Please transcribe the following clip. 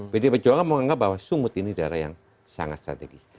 pdi perjuangan menganggap bahwa sumut ini daerah yang sangat strategis